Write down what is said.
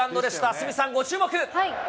鷲見さん、ご注目。